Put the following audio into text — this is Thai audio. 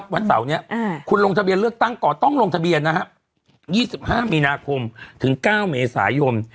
วันเสาร์นี้คุณลงทะเบียนเลือกตั้งก่อนต้องลงทะเบียน๒๕มีนาคมถึง๙เมษายน